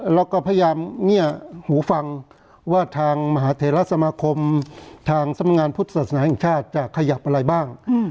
เราก็พยายามเงียบหูฟังว่าทางมหาเทราสมาคมทางสำนักงานพุทธศาสนาแห่งชาติจะขยับอะไรบ้าง